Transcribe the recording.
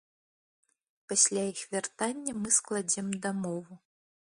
Пасля іх вяртання мы складзем дамову.